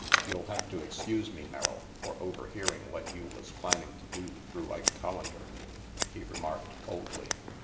"You'll have to excuse me, Merrill, for over hearing what you was planning to do through Ike Collander," he remarked coldly.